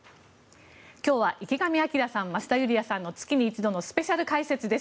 今日は池上彰さん、増田ユリヤさんの月に一度のスペシャル解説です。